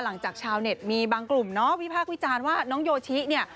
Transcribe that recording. หลังจากชาวเน็ตมีบางกลุ่มเนาะวิพากษ์วิจารณ์ว่าน้องโยชิเนี่ย